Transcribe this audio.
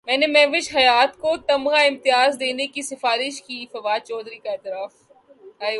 میں نے مہوش حیات کو تمغہ امتیاز دینے کی سفارش کی فواد چوہدری کا اعتراف